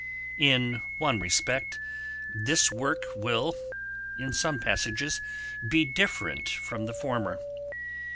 In one respect, this Work will, in some passages, be different from the former.